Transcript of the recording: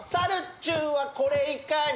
ちゅんはこれいかに？